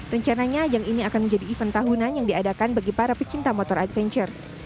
rencananya ajang ini akan menjadi event tahunan yang diadakan bagi para pecinta motor adventure